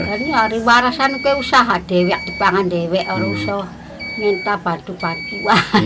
hari warasan usaha dewek dipangan dewek harus minta bantu bantu